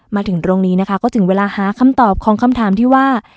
มาถึงตรงนี้นะคะก็ถึงเวลาหาคำตอบของคำถามที่ว่า